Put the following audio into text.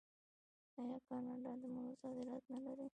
آیا کاناډا د مڼو صادرات نلري؟